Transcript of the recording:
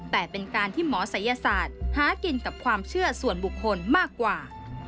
แต่เป็นการที่หมอศัยศาสตร์หากินกับความเชื่อส่วนบุคคลมากกว่า